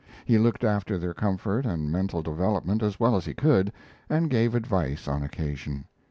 He looked after their comfort and mental development as well as he could, and gave advice on occasion.